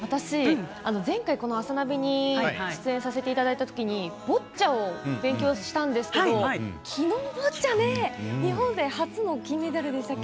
前回、「あさナビ」に出演させていただいたときにボッチャを勉強したんですけどきのうボッチャね日本勢初の金メダルでしたが。